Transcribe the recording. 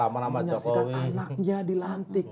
menyaksikan anaknya di lantik